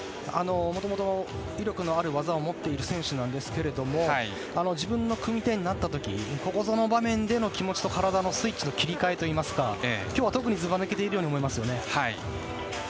もともと、威力のある技を持っている選手なんですけれども自分の組み手になった時ここぞの場面での気持ちと体のスイッチの切り替えといいますか今日は特にずば抜けているように見えますよね。